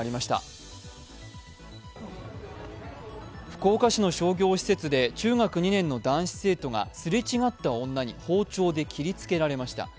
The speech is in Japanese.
福岡市の商業施設で中学２年の男子生徒がすれ違った女に包丁で切りつけられました。